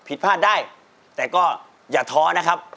ผิดพลาดได้แต่ก็อย่าท้อนะครับ